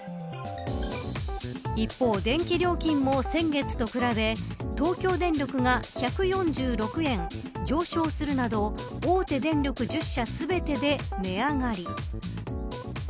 一方、電気料金も先月と比べ東京電力が１４６円上昇するなど大手電力１０社全てで値上がり。